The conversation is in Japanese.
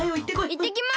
いってきます。